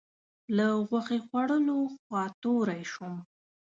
له غوښې خوړلو خوا توری شوم.